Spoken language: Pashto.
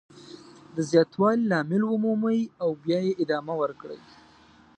د زیاتوالي لامل ومومئ او بیا یې ادامه ورکړئ.